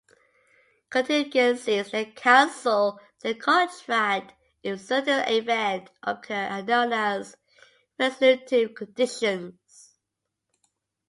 Contingencies that cancel the contract if certain event occur are known as "resolutive conditions".